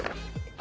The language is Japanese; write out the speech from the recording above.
あ